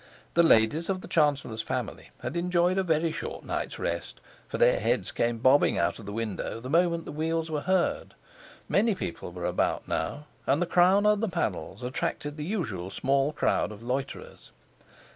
The ladies of the chancellor's family had enjoyed a very short night's rest, for their heads came bobbing out of window the moment the wheels were heard; many people were about now, and the crown on the panels attracted the usual small crowd of loiterers.